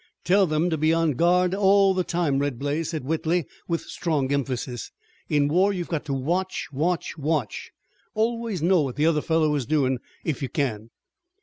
"Tell them to be on guard all the time, Red Blaze," said Whitley with strong emphasis. "In war you've got to watch, watch, watch. Always know what the other fellow is doin', if you can."